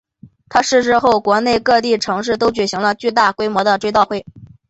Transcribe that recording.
他逝世后国内各地城市都举行了大规模的追悼会。